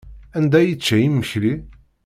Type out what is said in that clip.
Anda ay yečča imekli?